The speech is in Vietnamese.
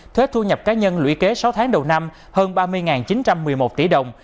thuế thu nhập cá nhân lũy kế sáu tháng đầu năm hơn ba mươi chín trăm một mươi một tỷ đồng